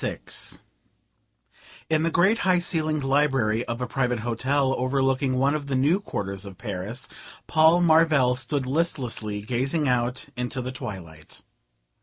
XLVI In the great high ceilinged library of a private hotel overlooking one of the new quarters of Paris, Paul Marvell stood listlessly gazing out into the twilight.